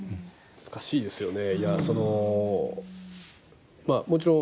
難しいですよね。